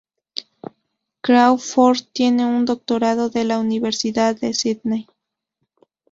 Crawford tiene un doctorado de la Universidad de Sydney.